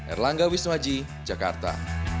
erlangga wisnuhaji jakarta